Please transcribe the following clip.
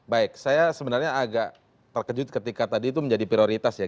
baik saya sebenarnya agak terkejut ketika tadi itu menjadi prioritas ya